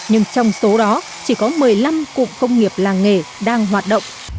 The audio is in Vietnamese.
nhưng trong số đó chỉ có một mươi năm cụm công nghiệp làng nghề đang hoạt động